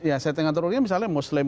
ya setting atrolinya misalnya muslim